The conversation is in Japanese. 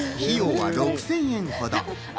費用は６０００円ほど。